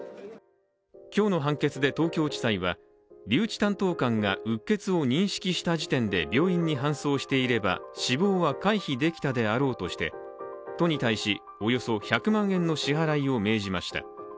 今日の判決で東京地裁は、留置担当官がうっ血を認識した時点で病院に搬送していれば死亡は回避できたであろうとして都に対し、およそ１００万円の支払いを命じました。